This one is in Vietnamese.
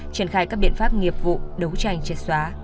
triển khai các biện pháp nghiệp vụ đấu tranh triệt xóa